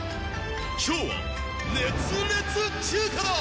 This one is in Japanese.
今日は熱烈中華だ。